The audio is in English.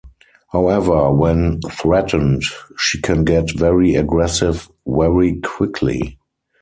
However, when threatened she can get very aggressive very quickly.